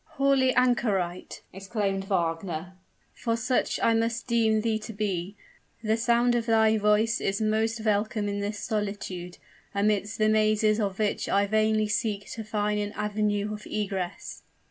"Holy anchorite!" exclaimed Wagner "for such must I deem thee to be, the sound of thy voice is most welcome in this solitude, amidst the mazes of which I vainly seek to find an avenue of egress."